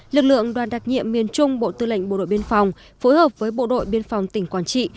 lực lượng đoàn đặc nhiệm miền trung bộ tư lệnh bộ đội biên phòng phối hợp với bộ đội biên phòng tỉnh quảng trị